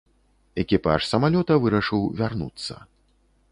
Экіпаж самалёта вырашыў вярнуцца.